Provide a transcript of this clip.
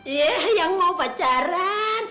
iya yang mau pacaran